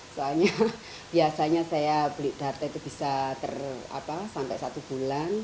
soalnya biasanya saya beli data itu bisa sampai satu bulan